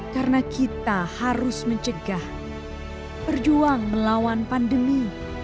karena kita harus mencegah berjuang melawan pandemi